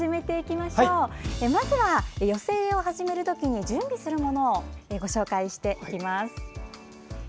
まずは寄せ植えをはじめるときに準備するものをご紹介していきます。